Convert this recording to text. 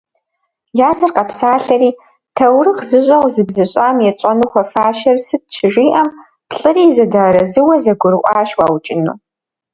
Языр къэпсалъэри «таурыхъ зыщӏэу зыбзыщӏам етщӏэну хуэфащэр сыт?»- щыжиӏэм, плӏыри зэдэарэзыуэ зэгурыӏуащ уаукӏыну.